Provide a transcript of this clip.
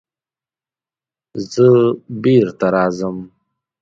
زه بېرته راځم.